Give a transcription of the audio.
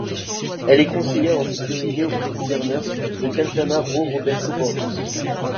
Elle est conseillère en sécurité auprès gouverneur de Quintana Roo, Roberto Borge.